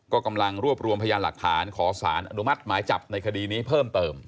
ก็กำลังรวบรวมพยานหลักฐานขอสารอนุมัติหมายจับในคดีนี้เพิ่มเติม